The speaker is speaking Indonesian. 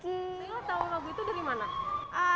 kau tau lagu itu dari mana